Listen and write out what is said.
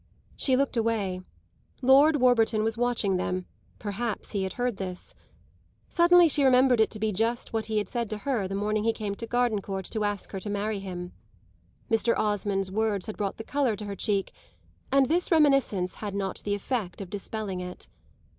She looked away; Lord Warburton was watching them; perhaps he had heard this. Suddenly she remembered it to be just what he had said to her the morning he came to Gardencourt to ask her to marry him. Mr. Osmond's words had brought the colour to her cheek, and this reminiscence had not the effect of dispelling it.